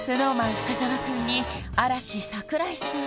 深澤くんに嵐櫻井さん